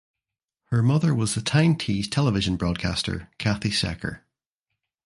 Her mother was the Tyne Tees Television broadcaster Kathy Secker.